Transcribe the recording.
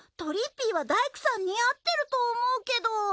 ぴいは大工さん似合ってると思うけど。